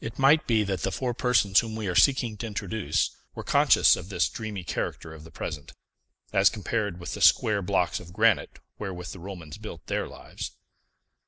It might be that the four persons whom we are seeking to introduce were conscious of this dreamy character of the present, as compared with the square blocks of granite wherewith the Romans built their lives.